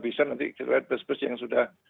bisa nanti kita lihat bus bus yang sudah